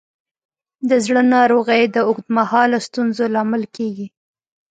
د زړه ناروغۍ د اوږد مهاله ستونزو لامل کېږي.